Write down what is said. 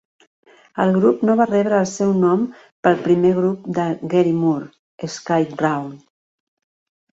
El grup no va rebre el seu nom pel primer grup de Gary Moore, Skid Row.